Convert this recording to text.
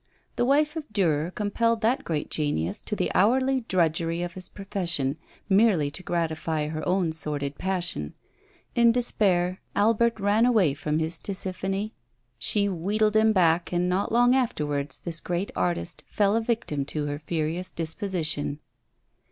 The wife of Durer compelled that great genius to the hourly drudgery of his profession, merely to gratify her own sordid passion: in despair, Albert ran away from his Tisiphone; she wheedled him back, and not long afterwards this great artist fell a victim to her furious disposition.